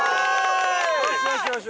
よしよしよし。